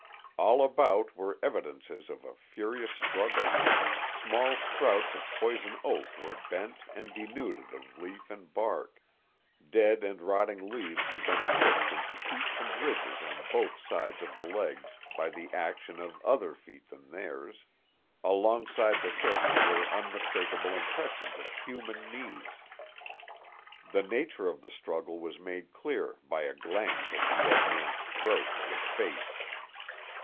All about were evidences of a furious struggle; small sprouts of poison oak were bent and denuded of leaf and bark; dead and rotting leaves had been pushed into heaps and ridges on both sides of the legs by the action of other feet than theirs; alongside the hips were unmistakable impressions of human knees. The nature of the struggle was made clear by a glance at the dead man's throat and face.